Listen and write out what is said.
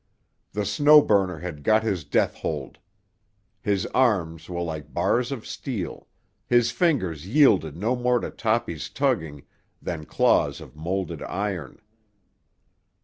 The Snow Burner had got his death hold. His arms were like bars of steel; his fingers yielded no more to Toppy's tugging than claws of moulded iron.